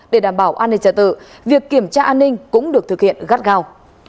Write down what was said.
để đảm bảo an ninh trả tự việc kiểm tra an ninh cũng được thực hiện gắt gao